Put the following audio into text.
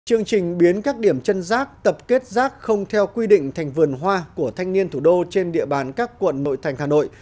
chương trình biến các điểm chân rác tập kết rác không theo quy định thành vườn hoa của thanh niên thủ đô trên địa bàn các quận nội thành hà nội